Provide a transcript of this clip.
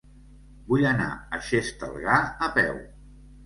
Vull anar a Xestalgar a peu.